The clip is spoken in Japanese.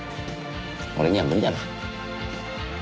俺には無理だな。